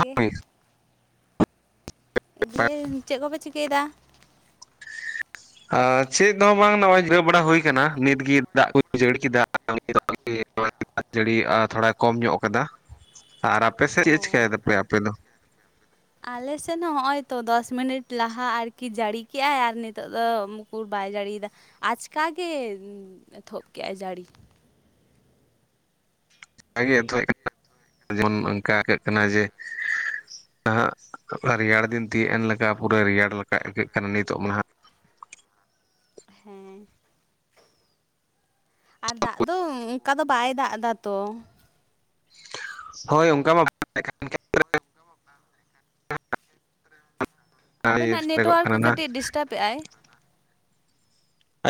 ᱜᱮ ᱫᱤᱭᱮ ᱪᱮᱫ ᱠᱚᱯᱮ ᱪᱤᱠᱟᱹᱭᱫᱟ? ᱟᱨ ᱪᱮᱫ ᱦᱚᱸ ᱵᱟᱝ ᱱᱚᱜᱼᱚᱭ ᱡᱤᱨᱟᱹᱣ ᱵᱟᱲᱟ ᱦᱩᱭ ᱠᱟᱱᱟ ᱱᱤᱛᱜᱮ ᱫᱟᱜ ᱠᱚᱭ ᱡᱟᱹᱲᱤ ᱠᱮᱫᱟ [unintelligible] ᱫᱟᱜ ᱡᱟᱹᱲᱤ ᱛᱷᱚᱲᱟ ᱠᱚᱢ ᱧᱚᱜ ᱠᱟᱫᱟ ᱟᱨ ᱟᱯᱮᱥᱮᱫ ᱚ ᱪᱮᱫ ᱪᱤᱠᱟᱭ ᱫᱟᱯᱮ ᱟᱯᱮ ᱫᱚ? ᱟᱞᱮᱥᱮᱫ ᱦᱚᱸ ᱦᱚᱜᱼᱚᱭ ᱛᱚ ᱫᱚᱥ ᱢᱤᱱᱤᱴ ᱞᱟᱦᱟ ᱟᱨᱠᱤ ᱡᱟᱹᱲᱤ ᱠᱮᱜᱟᱭ ᱟᱨ ᱱᱤᱛᱚᱜ ᱫᱚ ᱩᱠᱩᱨ ᱵᱟᱭ ᱡᱟᱹᱲᱤᱭ ᱫᱟ᱾ ᱟᱪᱠᱟ ᱜᱮ ᱮᱛᱚᱦᱚᱵ ᱠᱮᱜ-ᱟᱭ ᱡᱟᱹᱲᱤ ᱨᱮᱜᱮ [unintelligible] ᱡᱮᱢᱚᱱ ᱚᱝᱠᱟ ᱦᱳᱭᱳᱜ ᱠᱟᱱᱟ ᱡᱮ [unintelligible] ᱨᱮᱭᱟᱲ ᱫᱤᱱ ᱛᱤᱭᱟᱹᱜ ᱮᱱ ᱞᱮᱠᱟ ᱯᱩᱨᱟᱹ ᱨᱮᱭᱟᱲ ᱞᱮᱠᱟ ᱟᱹᱭᱠᱟᱹᱜ ᱠᱟᱱᱟ ᱱᱤᱛᱚᱜ ᱢᱟᱦᱟᱜ᱾ ᱦᱮᱸ ᱟᱨ ᱫᱟᱜ ᱫᱚ ᱚᱱᱠᱟ ᱫᱚ ᱵᱟᱭ ᱫᱟᱜ ᱫᱟ ᱛᱚ᱾ ᱦᱳᱭ ᱚᱝᱠᱟ ᱢᱟ [inaudible] ᱵᱟᱭ ᱟᱵᱮᱱᱟᱜ ᱱᱮᱴᱣᱟᱨᱠ ᱠᱟᱱᱟ ᱱᱟᱦᱟᱜ ᱠᱟᱹᱴᱤᱡ ᱰᱤᱥᱴᱟᱵ ᱮᱜᱼᱟᱭ᱾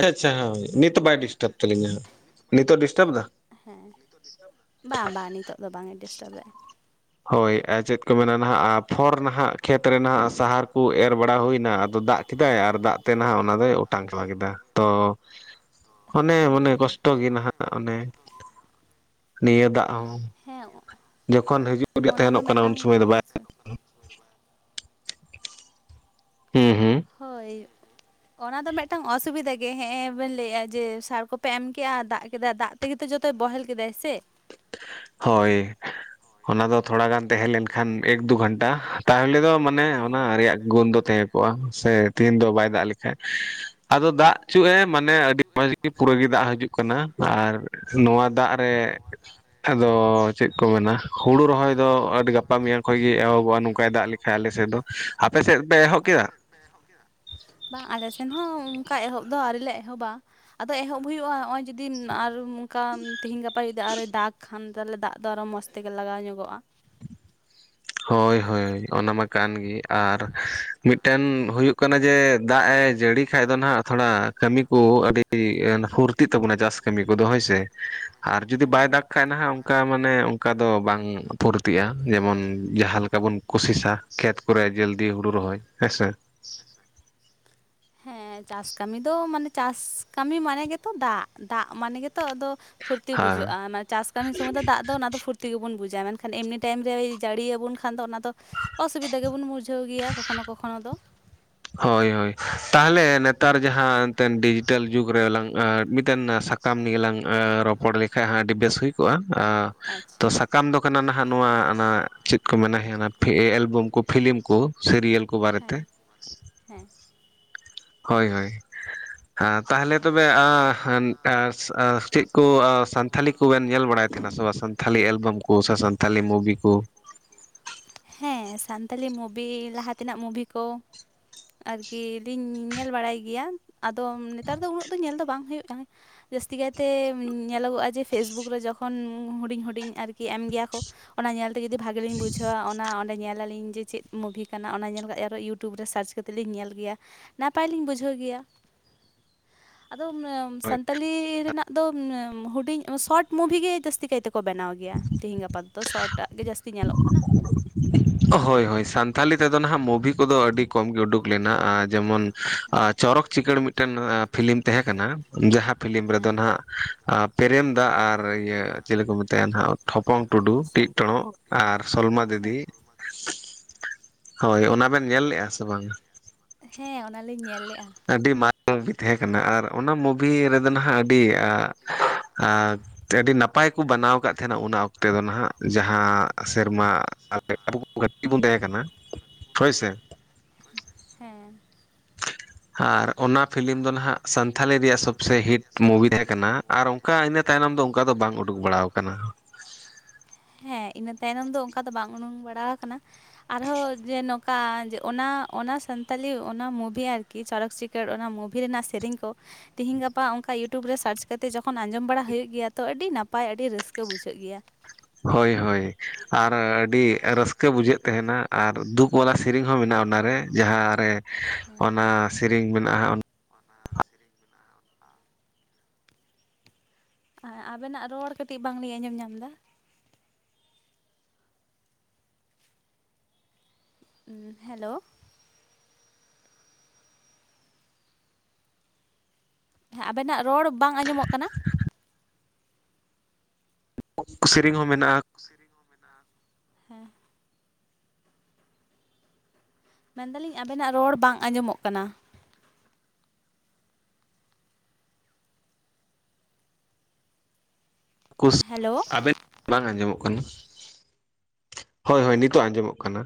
ᱟᱪᱪᱷᱟ ᱦᱳᱭ ᱱᱤᱴ ᱵᱟᱭ ᱰᱤᱥᱴᱟᱵᱽ ᱛᱟᱹᱞᱤᱧᱟ ᱦᱟᱸᱜ ᱱᱤᱛᱚᱜ ᱰᱤᱥᱴᱟᱵᱽ ᱫᱟ? ᱦᱮᱸ ᱵᱟᱝ ᱵᱟᱝ ᱱᱤᱛᱚᱜ ᱫᱚ ᱵᱟᱝ ᱮ ᱰᱤᱥᱴᱟᱵ ᱫᱟᱭ᱾ ᱦᱳᱭ ᱟᱪᱮᱫ ᱠᱚ ᱢᱮᱱᱟ ᱱᱟᱦᱟᱜ ᱟᱨ ᱯᱷᱚᱨ ᱱᱟᱦᱟᱜ ᱠᱷᱮᱛᱨᱮ ᱱᱟᱦᱟᱜ ᱥᱟᱦᱟᱨ ᱠᱩ ᱮᱨ ᱵᱟᱲᱟ ᱦᱩᱭᱱᱟ ᱟᱫᱚ ᱫᱟᱜ ᱠᱮᱫᱟᱭ ᱟᱨ ᱫᱟᱜ ᱛᱮ ᱱᱟᱦᱟᱜ ᱚᱱᱟ ᱫᱚᱭ ᱚᱴᱟᱝ ᱪᱟᱵᱟ ᱠᱮᱫᱟ ᱛᱚ ᱚᱱᱮ ᱚᱱᱮ ᱠᱚᱥᱴᱚ ᱜᱮ ᱱᱟᱦᱟᱜ ᱚᱱᱮ ᱱᱤᱭᱟᱹ ᱫᱟᱜ ᱦᱚᱸ ᱦᱮᱸ ᱡᱚᱠᱷᱚᱱ ᱦᱤᱡᱩᱜ ᱨᱮᱭᱟᱜ ᱚᱱᱟ ᱫᱚ ᱛᱟᱦᱮᱱᱚᱜ ᱠᱟᱱᱟ ᱩᱱ ᱢᱮᱫᱴᱟᱝ ᱥᱚᱢᱚᱭ ᱫᱚ ᱵᱟᱭ ᱦᱩᱸ ᱦᱩᱸ ᱦᱳᱭ ᱚᱱᱟ ᱫᱚ ᱢᱮᱫᱴᱟᱝ ᱚᱥᱩᱵᱤᱫᱷᱟ ᱜᱮ ᱦᱮᱸ ᱵᱮᱱ ᱞᱟᱹᱭᱮᱜ-ᱟ ᱡᱮ ᱥᱟᱨ ᱠᱚᱯᱮ ᱮᱢ ᱠᱮᱜ-ᱟ ᱫᱟᱜ ᱠᱮᱫᱟ ᱫᱟᱜ ᱛᱮᱜᱮ ᱡᱚᱛᱚᱭ ᱵᱚᱦᱮᱞ ᱠᱮᱫᱟᱭ ᱥᱮ᱾ ᱦᱳᱭ ᱚᱱᱟ ᱫᱚ ᱛᱷᱚᱲᱟ ᱜᱟᱱ ᱛᱮᱦᱮᱸ ᱞᱮᱱᱠᱷᱟᱱ ᱮᱠ ᱫᱩ ᱜᱷᱟᱱᱴᱟ ᱛᱟᱦᱚᱞᱮ ᱫᱚ ᱢᱟ ᱢᱟᱱᱮ ᱦᱮᱸ ᱚᱱᱟ ᱨᱮᱭᱟᱜ ᱜᱩᱱ ᱫᱚ ᱛᱮᱦᱮᱸ ᱠᱚᱜ-ᱟ ᱥᱮ ᱛᱤᱦᱤᱧ ᱫᱚ ᱵᱟᱭ ᱫᱟᱜ ᱞᱮᱠᱷᱟ ᱟᱫᱚ ᱫᱟᱜ ᱪᱩᱜ ᱮ ᱢᱟᱱᱮ ᱟᱹᱰᱤ ᱢᱚᱸᱡᱽ ᱜᱮ ᱯᱩᱨᱟᱹ ᱜᱮ ᱫᱟᱜ ᱦᱤᱡᱩᱜ ᱠᱟᱱᱟ ᱟᱨ ᱱᱚᱣᱟ ᱫᱟᱜ ᱨᱮ [inaudible] ᱟᱫᱚ ᱪᱮᱫ ᱠᱚ ᱢᱮᱱᱟ ᱦᱩᱲᱩ ᱨᱚᱦᱚᱭ ᱫᱚ ᱟᱹᱰ ᱜᱟᱯᱟ ᱢᱮᱭᱟᱝ ᱠᱷᱚᱡ ᱜᱮ ᱮᱦᱚᱵᱚᱜ-ᱟ ᱱᱚᱝᱠᱟᱭ ᱫᱟᱜ ᱞᱮᱠᱷᱟᱱ ᱟᱞᱮᱥᱮᱫ ᱫᱚ, ᱟᱯᱮ ᱥᱮᱫ ᱯᱮ ᱮᱦᱚᱜ ᱠᱮᱫᱟ? ᱵᱟᱝ ᱟᱞᱮ ᱥᱮᱱ ᱦᱚᱸ ᱚᱱᱠᱟ ᱮᱦᱚᱵ ᱫᱚ ᱟᱹᱣᱨᱤ ᱞᱮ ᱮᱦᱚᱵᱟ᱾ ᱟᱫᱚ ᱮᱦᱚᱵ ᱦᱩᱭᱩᱜ-ᱟ ᱦᱚᱜ-ᱚᱭ ᱡᱩᱫᱤ ᱟᱨ ᱚᱱᱠᱟ ᱛᱤᱦᱤᱧ ᱜᱟᱯᱟ ᱡᱩᱫᱤ ᱟᱨᱭ ᱫᱟᱜᱽ ᱠᱷᱟᱱ ᱛᱟᱦᱚᱞᱮ ᱫᱟᱜ ᱫᱚ ᱟᱨᱚ ᱢᱚᱡᱽ ᱛᱮᱜᱮ ᱞᱟᱜᱟᱣ ᱧᱚᱜᱚᱜ-ᱟ᱾ ᱦᱳᱭ ᱦᱳᱭ ᱚᱱᱟ ᱢᱟ ᱠᱟᱱ ᱜᱮ ᱟᱨ ᱢᱤᱫᱴᱮᱱ ᱦᱩᱭᱩᱜ ᱠᱟᱹᱱᱟ ᱡᱮ ᱫᱟᱜ ᱮ ᱡᱟᱹᱲᱤ ᱠᱷᱟᱡ ᱫᱚ ᱱᱦᱟᱜ ᱛᱷᱚᱲᱟ ᱠᱟᱹᱢᱤ ᱠᱚ ᱟᱹᱰᱤ ᱯᱷᱩᱨᱛᱤᱜ ᱛᱟᱵᱚᱱᱟ ᱪᱟᱥ ᱠᱟᱹᱢᱤ ᱠᱚᱫᱚ ᱦᱳᱭ ᱥᱮ, ᱟᱨ ᱡᱩᱫᱤ ᱵᱟᱭ ᱦᱮᱸ ᱫᱟᱜᱽ ᱠᱷᱟᱡ ᱱᱟᱦᱟᱜ ᱚᱱᱠᱟ ᱢᱟᱱᱮ ᱚᱱᱠᱟ ᱫᱚ ᱵᱟᱝ ᱯᱷᱩᱨᱛᱤᱜ-ᱟ ᱡᱮᱢᱚᱱ ᱡᱟᱦᱟᱸ ᱞᱮᱠᱟ ᱵᱚᱱ ᱠᱩᱥᱤᱥᱟ ᱠᱷᱮᱛ ᱠᱚᱨᱮ ᱡᱟᱹᱞᱫᱤ ᱦᱩᱲᱩ ᱨᱚᱦᱚᱭ ᱦᱮᱸᱥᱮ, ᱦᱮᱸᱥᱮ᱾ [unintelligible] ᱦᱮᱸ ᱪᱟᱥ ᱠᱟᱹᱢᱤ ᱫᱚ ᱢᱟᱱᱮ ᱪᱟᱥ ᱠᱟᱹᱢᱤ ᱢᱟᱱᱮ ᱜᱮᱛᱚ ᱫᱟᱜ ᱫᱟᱜ ᱢᱟᱱᱮ ᱜᱮᱛᱚ ᱟᱫᱚ᱾ ᱯᱷᱩᱨᱛᱤ ᱦᱮᱸ ᱵᱩᱡᱷᱟᱹᱜᱼᱟ ᱢᱟᱱᱮ ᱪᱟᱥ ᱠᱟᱹᱢᱤ ᱥᱚᱢᱚᱭ ᱫᱚ ᱫᱟᱜ ᱫᱚ ᱚᱱᱟ ᱫᱚ ᱯᱷᱩᱨᱛᱤ [unintelligible] ᱜᱮᱵᱚᱱ ᱵᱩᱡᱟ ᱢᱮᱱᱠᱷᱟᱱ ᱮᱢᱱᱤ ᱴᱟᱭᱤᱢ ᱨᱮᱭ ᱡᱟᱹᱲᱤᱭ ᱟᱵᱚᱱ ᱠᱷᱟᱱ ᱫᱚ ᱚᱱᱟ ᱫᱚ ᱚᱥᱩᱵᱤᱫᱟ ᱜᱮᱵᱚᱱ [unintelligible] ᱵᱩᱡᱷᱟᱹᱣ ᱜᱮᱭᱟ ᱠᱚᱠᱷᱚᱱᱳ ᱠᱚᱠᱷᱚᱱᱳ ᱫᱚ᱾ ᱦᱳᱭ ᱦᱳᱭ ᱛᱟᱦᱚᱞᱮ ᱱᱮᱛᱟᱨ ᱡᱟᱦᱟᱸ ᱮᱱᱛᱮᱱ ᱰᱤᱡᱤᱴᱮᱞ ᱡᱩᱜᱽ ᱨᱮᱞᱟᱝ ᱢᱤᱫᱴᱮᱱ ᱥᱟ ᱥᱟᱠᱟᱢ ᱱᱤᱭᱮ ᱜᱮᱞᱟᱝ ᱨᱚᱯᱚᱲ ᱞᱮᱠᱷᱟᱡ ᱟᱹᱰᱤ ᱵᱮᱥ ᱦᱩᱭ ᱠᱚᱜᱼᱟ᱾ ᱟᱪᱪᱷᱟ ᱥᱟᱠᱟᱢ ᱫᱚ ᱠᱟᱱᱟ ᱱᱟᱦᱟᱜ ᱱᱚᱣᱟ ᱪᱮᱫ ᱠᱚ ᱢᱮᱱᱟ ᱮᱞᱵᱟᱢ ᱠᱚ ᱯᱷᱤᱞᱤᱢ ᱠᱚ ᱥᱤᱨᱤᱭᱟᱞ ᱠᱚ᱾ ᱠᱚ ᱵᱟᱨᱮᱛᱮ ᱦᱮᱸ ᱦᱮᱸ᱾ ᱦᱳᱭ ᱦᱳᱭ᱾ ᱦᱮᱸ ᱛᱟᱦᱚᱞᱮ ᱛᱚᱵᱮ [unintelligible] ᱪᱮᱫ ᱠᱚ ᱥᱟᱱᱛᱷᱟᱞᱤ ᱠᱚᱵᱮᱱ ᱧᱮᱞ ᱵᱟᱲᱟᱭ ᱛᱟᱦᱮᱱᱟ ᱥᱮ ᱵᱟᱝ ᱛᱷᱟᱞᱤ ᱮᱞᱵᱟᱢ ᱠᱚ ᱥᱮ ᱥᱟᱱᱛᱷᱟᱤ ᱢᱩᱵᱷᱤ ᱠᱚ᱾ ᱦᱮᱸ ᱥᱟᱱᱛᱟᱞᱤ ᱢᱩᱵᱷᱤ ᱞᱟᱦᱟ ᱛᱮᱱᱟᱜ ᱢᱩᱵᱷᱤ ᱠᱚ᱾ ᱟᱨᱠᱤ ᱞᱤᱧ ᱧᱮᱞ ᱵᱟᱲᱟᱭ ᱜᱮᱭᱟ ᱟᱫᱚ ᱱᱮᱛᱟᱨ ᱫᱚ ᱩᱱᱟᱹᱜ ᱫᱚ ᱧᱮᱞ ᱫᱚ ᱵᱟᱝ ᱦᱩᱭᱩᱜ ᱠᱟᱱᱟ᱾ ᱡᱟᱹᱥᱛᱤ ᱠᱟᱭᱛᱮ ᱧᱮᱞᱚᱜᱚᱜᱼᱟ ᱡᱮ ᱯᱷᱮᱥᱵᱩᱠ ᱨᱮ ᱡᱚᱠᱷᱚᱱ ᱦᱩᱰᱤᱧ ᱦᱩᱰᱤᱧ ᱟᱨᱠᱤ ᱮᱢ ᱜᱮᱭᱟ ᱠᱚ᱾ ᱚᱱᱟ ᱧᱮᱞᱛᱮ ᱡᱩᱫᱤ ᱵᱷᱟᱜᱤ ᱞᱤᱧ ᱵᱩᱡᱷᱟᱹᱣᱟ ᱚᱱᱟ ᱚᱱᱟ ᱧᱮᱞᱟᱞᱤᱧ ᱡᱮ ᱪᱮᱫ ᱢᱩᱵᱷᱤ ᱠᱟᱱᱟ ᱚᱱᱟ ᱧᱮᱞ ᱠᱟᱛᱮᱫ ᱟᱨᱚ ᱤᱭᱩᱴᱩᱵᱽ ᱨᱮ ᱥᱟᱨᱪ ᱠᱟᱛᱮᱫ ᱞᱤᱧ ᱧᱮᱞ ᱜᱮᱭᱟ᱾ ᱱᱟᱯᱟᱭᱞᱤᱧ ᱵᱩᱡᱷᱟᱹᱣ ᱜᱮᱭᱟ᱾ ᱟᱫᱚ ᱥᱟᱱᱛᱟᱞᱤ ᱨᱮᱱᱟᱜ ᱫᱚ ᱦᱩᱰᱤᱧ ᱥᱚᱨᱴ ᱢᱩᱵᱷᱤ ᱜᱮ ᱡᱟᱹᱥᱛᱤ ᱠᱟᱭ ᱛᱮ ᱠᱚ ᱵᱮᱱᱟᱣ ᱜᱮᱭᱟ, ᱛᱤᱦᱤᱧ ᱜᱟᱯᱟ ᱛᱮᱫᱚ ᱥᱚᱨᱴ ᱟᱜ ᱜᱮ ᱡᱟᱹᱥᱛᱤ ᱧᱮᱞᱚᱜ ᱠᱟᱱᱟ᱾ [inaudible] ᱦᱳᱭ ᱦᱳᱭ ᱥᱟᱱᱛᱷᱟᱞᱤ ᱛᱮᱫᱚ ᱱᱟᱦᱟᱜ ᱢᱩᱵᱷᱤ ᱠᱚᱫᱚ ᱟᱹᱰᱤ ᱠᱚᱢ ᱜᱮ ᱩᱰᱩᱠ ᱞᱮᱱᱟ ᱡᱮᱢᱚᱱ ᱪᱚᱨᱚᱠ ᱪᱤᱠᱟᱹᱲ ᱢᱤᱫᱴᱮᱱ ᱯᱷᱤᱞᱤᱢ ᱛᱟᱦᱮᱸ ᱠᱟᱱᱟ ᱡᱟᱦᱟᱸ ᱯᱷᱤᱞᱤᱢ ᱦᱮᱸ ᱨᱮᱫᱚ ᱦᱟᱸᱜ ᱯᱮᱨᱮᱢ ᱫᱟᱜ ᱟᱨ ᱤᱭᱟᱹ ᱪᱮᱞᱮ ᱠᱚ ᱢᱮᱛᱟᱭᱟ ᱦᱟᱸᱜ ᱴᱷᱚᱯᱚᱝ ᱴᱩᱰᱩ ᱴᱤᱜ ᱴᱚᱸᱲᱚᱜ᱾ ᱦᱮᱸ ᱟᱨ ᱥᱚᱞᱢᱟ ᱫᱤᱫᱤ, ᱦᱮᱸ ᱦᱳᱭ ᱚᱱᱟ ᱵᱮᱱ ᱧᱮᱞ ᱞᱮᱫᱼᱟ ᱥᱮ ᱵᱟᱝᱟ? ᱦᱮᱸ ᱚᱱᱟᱞᱤᱧ ᱧᱮᱞ ᱞᱮᱫᱼᱟ᱾ ᱟᱹᱰᱤ ᱢᱟᱨᱮ ᱢᱩᱵᱷᱤ ᱛᱟᱦᱮᱸ ᱠᱟᱱᱟ ᱟᱨ ᱚᱱᱟ ᱢᱩᱵᱷᱤ ᱨᱮᱫᱚ ᱱᱟᱦᱟᱜ ᱟᱹᱰᱤ ᱟᱹᱰᱤ ᱱᱟᱯᱟᱭ ᱠᱚ ᱵᱮᱱᱟᱣ ᱠᱟᱫ ᱛᱟᱦᱮᱱᱟ ᱚᱱᱟ ᱚᱠᱛᱮ ᱫᱚ ᱱᱟᱦᱟᱜ ᱡᱟᱦᱟᱸ ᱥᱮᱨᱢᱟ [unintelligible] ᱠᱟᱴᱤᱜ ᱵᱚᱱ ᱛᱟᱦᱮᱸ ᱠᱟᱱᱟ ᱦᱳᱭ ᱥᱮ᱾ ᱦᱮᱸ᱾ ᱟᱨ ᱚᱱᱟ ᱯᱷᱤᱞᱤᱢ ᱫᱚ ᱱᱟᱦᱟᱜ ᱥᱟᱱᱛᱷᱟᱞᱤ ᱨᱮᱭᱟᱜ ᱥᱚᱵᱥᱮ ᱦᱤᱴ ᱢᱩᱵᱷᱤ ᱛᱟᱦᱮᱸ ᱠᱟᱱᱟ᱾ ᱟᱨ ᱚᱱᱠᱟ ᱤᱱᱟᱹ ᱛᱟᱭᱱᱚᱢ ᱫᱚ ᱚᱱᱠᱟ ᱫᱚ ᱵᱟᱝ ᱩᱰᱩᱠ ᱵᱟᱲᱟᱣ ᱟᱠᱟᱱᱟ᱾ ᱦᱮᱸ ᱤᱱᱟᱹ ᱛᱟᱭᱱᱚᱢ ᱫᱚ ᱚᱱᱠᱟ ᱫᱚ ᱵᱟᱝ ᱩᱰᱩᱝ ᱵᱟᱲᱟᱣ ᱟᱠᱟᱱᱟ ᱟᱨᱦᱚᱸ ᱡᱮ ᱱᱚ ᱝᱠᱟ ᱡᱮ ᱚᱱᱟ ᱚᱱᱟ ᱥᱟᱱᱛᱟᱞᱤ ᱚᱱᱟ ᱢᱩᱵᱷᱤ ᱟᱨ ᱠᱤ ᱪᱚᱨᱚᱠ ᱪᱤᱠᱟᱹᱲ ᱚᱱᱟ ᱢᱩᱵᱷᱤ ᱨᱮᱱᱟᱜ ᱥᱮᱨᱮᱧ ᱠᱚ ᱛᱤᱦᱤᱧ ᱜᱟᱯᱟ ᱚᱱᱠᱟ ᱤᱭᱩᱴᱩᱵᱽ ᱨᱮ ᱥᱟᱨᱪ ᱠᱟᱛᱮᱜ ᱡᱚᱠᱷᱚᱱ ᱟᱸᱡᱚᱢ ᱵᱟᱲᱟ ᱦᱩᱭᱩᱜ ᱜᱮᱭᱟ ᱛᱚ ᱟᱹᱰᱤ ᱱᱟᱯᱟᱭ ᱟᱹᱰᱤ ᱨᱟᱹᱥᱠᱟᱹ ᱵᱩᱡᱷᱟᱹᱜ ᱜᱮᱭᱟ᱾ ᱦᱳᱭ ᱦᱳᱭ ᱟᱨ ᱟᱹᱰᱤ ᱨᱟᱹᱥᱠᱟᱹ ᱵᱩᱡᱷᱟᱹᱜ ᱛᱟᱸᱦᱮᱱᱟ ᱟᱨ ᱫᱩᱠ ᱵᱟᱞᱟ ᱥᱮᱤᱨᱧ ᱦᱚᱸ ᱢᱮᱱᱟᱜᱼᱟ ᱚᱱᱟᱨᱮ᱾ ᱡᱟᱦᱟᱸ ᱨᱮ ᱚᱱᱟ ᱥᱮᱨᱮᱧ ᱢᱮᱱᱟᱜᱼᱟ ᱦᱟᱸᱜ ᱚᱱᱟ ᱥᱮᱨᱮᱧ ᱟᱵᱮᱱᱟᱜ ᱨᱚᱲ ᱠᱟᱹᱴᱤᱡ ᱵᱟᱝᱞᱤᱧ ᱟᱸᱡᱚᱢ ᱧᱟᱢ ᱮᱫᱟ᱾ ᱦᱮᱞᱳᱣ ᱦᱮᱸ ᱟᱵᱮᱱᱟᱜ ᱨᱚᱲ ᱵᱟᱝ ᱟᱸᱡᱚᱢᱚᱜ ᱠᱟᱱᱟ᱾ [unintelligible] ᱥᱮᱨᱮᱧ ᱦᱚᱸ ᱢᱮᱱᱟᱜᱼᱟ᱾ ᱥᱮᱨᱮᱧ ᱢᱮᱱᱟᱜᱼᱟ᱾ ᱦᱩᱸ ᱢᱮᱱᱫᱟᱞᱤᱧ ᱟᱵᱮᱱᱟᱜ ᱨᱚᱲ ᱵᱟᱝ ᱟᱸᱡᱚᱢᱚᱜ ᱠᱟᱱᱟ᱾ [unintelligible] ᱦᱮᱞᱳ ᱟᱵᱮᱱ ᱵᱟᱝ ᱟᱸᱡᱚᱢᱚᱜ ᱠᱟᱱᱟ, ᱦᱳᱭ ᱦᱳᱭ ᱱᱤᱛᱚᱜ ᱟᱸᱡᱚᱢᱚᱜ ᱠᱟᱱᱟ᱾